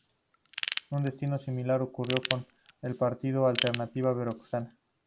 Un destino similar ocurrió con el partido Alternativa Veracruzana.